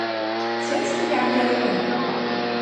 Сен сайри, ГӀябдуряхӀман?